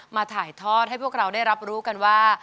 ถ่ายทอดให้พวกเราได้รับรู้กันว่า